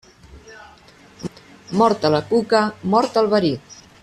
Morta la cuca, mort el verí.